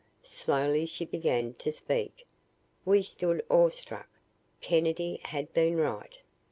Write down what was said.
Slowly she began to speak. We stood awestruck. Kennedy had been right!